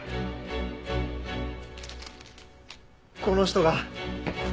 この人が。